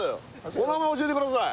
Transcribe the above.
お名前教えてください